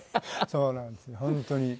そうなんです本当に。